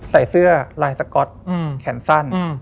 ใส่เสื้อลายสก๊อตแขนสั้น